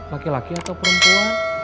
laki laki atau perempuan